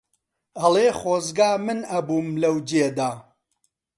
ئەڵێ خۆزگا من ئەبووم لەو جێدا